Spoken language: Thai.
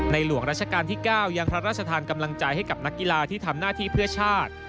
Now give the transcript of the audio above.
หลวงราชการที่๙ยังพระราชทานกำลังใจให้กับนักกีฬาที่ทำหน้าที่เพื่อชาติ